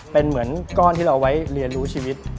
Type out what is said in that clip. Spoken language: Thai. เป็นเหมือนก้อนที่เราเอาไว้เรียนรู้ชีวิต